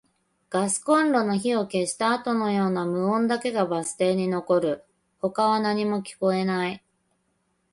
ガスコンロの火を消したあとのような無音だけがバス停に残る。他は何も聞こえない。